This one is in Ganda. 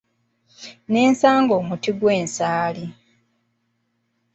Nesanga omuti gw'ensaali.